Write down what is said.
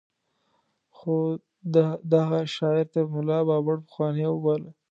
خو ده دغه شاعر تر ملا بابړ پخوانۍ وباله.